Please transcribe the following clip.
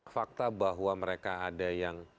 fakta bahwa mereka ada yang